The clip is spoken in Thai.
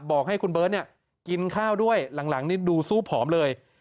บอกให้คุณเบิร์ตกินข้าวด้วยหลังนี่ดูสู้ผอมเลย